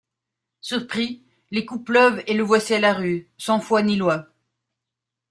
Surpris, les coups pleuvent et le voici à la rue, sans foi ni loi.